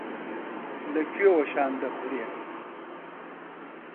لە کوێوە شان دەخورێ.